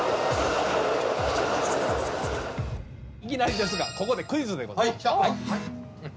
いきなりですがここでクイズでございます。